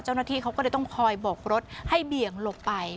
เจ้าหน้าที่เขาก็เลยต้องคอยโบกรถให้เบี่ยงหลบไป